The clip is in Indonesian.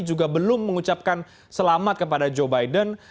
juga belum mengucapkan selamat kepada joe biden